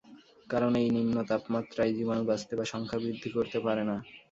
কারণ এই নিম্ন তাপমাত্রায় জীবাণু বাঁচতে বা সংখ্যাবৃদ্ধি করতে পারে না।